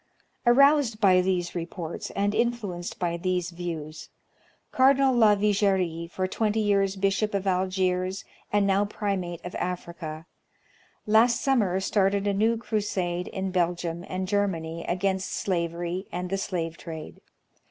Aroused by these reports, and influenced by these views. Cardinal Lavigerie, for twenty years Bishop of Algiers and now Primate of Africa, last summer started a new crusade in Belgium and Germany against slavery and the slave trade.